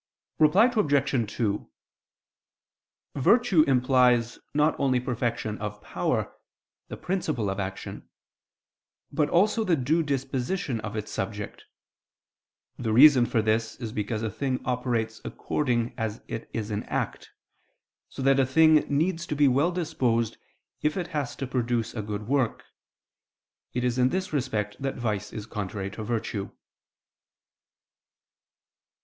Reply Obj. 2: Virtue implies not only perfection of power, the principle of action; but also the due disposition of its subject. The reason for this is because a thing operates according as it is in act: so that a thing needs to be well disposed if it has to produce a good work. It is in this respect that vice is contrary to virtue.